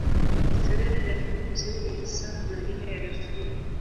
Historia ya Darfur Kusini ni sawa na ile ya Darfur.